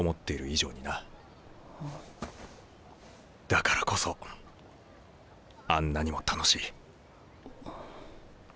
だからこそあんなにも楽しい。